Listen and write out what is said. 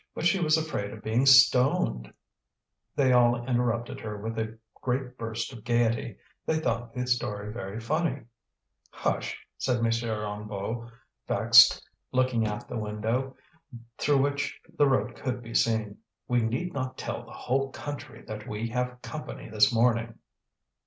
But she was afraid of being stoned " They all interrupted her with a great burst of gaiety. They thought the story very funny. "Hush!" said M. Hennebeau, vexed, looking at the window, through which the road could be seen. "We need not tell the whole country that we have company this morning."